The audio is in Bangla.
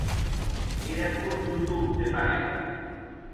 এরা খুব দ্রুত উড়তে পারে।